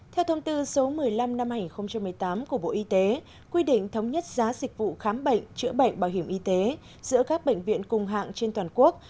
theo thông tư số một mươi năm năm hai nghìn một mươi tám của bộ y tế quy định thống nhất giá dịch vụ khám bệnh chữa bệnh bảo hiểm y tế giữa các bệnh viện cùng hạng trên toàn quốc